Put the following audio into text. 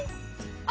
あ！